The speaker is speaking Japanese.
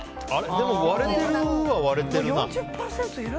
でも、割れてるは割れてるな。